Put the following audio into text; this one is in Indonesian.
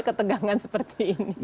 ketegangan seperti ini